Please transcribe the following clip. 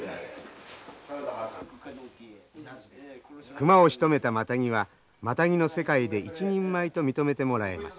熊をしとめたマタギはマタギの世界で一人前と認めてもらえます。